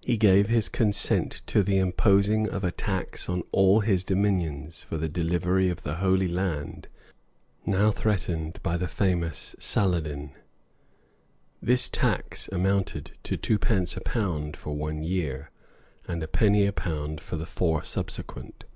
He gave his consent to the imposing of a tax on all his dominions, for the delivery of the Holy Land, now threatened by the famous Salad me: this tax amounted to twopence a pound for one year, and a penny a pound for the four subsequent.